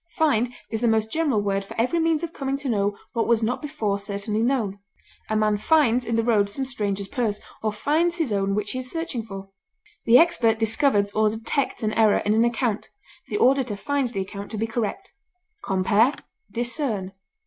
Find is the most general word for every means of coming to know what was not before certainly known. A man finds in the road some stranger's purse, or finds his own which he is searching for. The expert discovers or detects an error in an account; the auditor finds the account to be correct. Compare DISCERN.